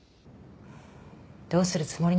どうするつもりなの？